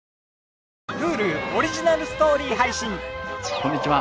こんにちは！